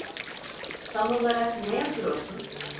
Tam olarak ne yapıyorsun?